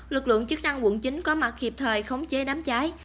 lực lượng chức năng quận chín có mặt hiệp thời khống chế đám trái